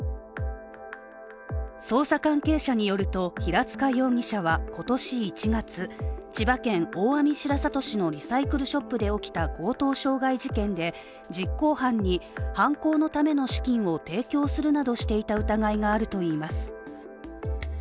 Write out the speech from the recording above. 捜査関係者によると、平塚容疑者は今年１月千葉県大網白里市のリサイクルショップで起きた強盗傷害事件で実行犯に犯行のための資金を提供するなどしていた疑いがあるといいます。